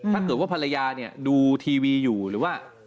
ถ้าเกิดว่าภรรยาเนี่ยดูทีวีอยู่หรือว่า